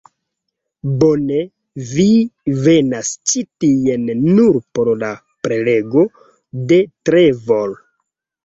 Bone, vi venas ĉi tien nur por la prelego de Trevor